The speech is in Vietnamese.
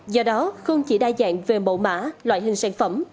do đó không chỉ đa dạng về mẫu mã loại hình sản phẩm